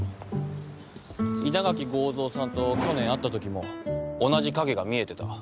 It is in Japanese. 稲垣剛蔵さんと去年会ったときも同じ影が見えてた。